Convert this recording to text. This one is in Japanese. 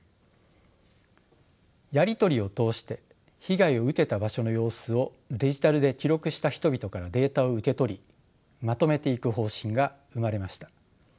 やりとりを通して被害を受けた場所の様子をデジタルで記録した人々からデータを受け取りまとめていく方針が生まれました。